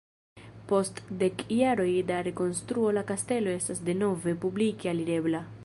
Post dek jaroj da rekonstruo la kastelo estas denove publike alirebla.